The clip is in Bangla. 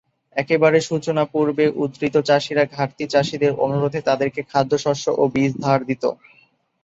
একেবারে সূচনাপর্বে উদ্বৃত্ত চাষিরা ঘাটতি চাষিদের অনুরোধে তাদেরকে খাদ্যশস্য ও বীজ ধার দিত।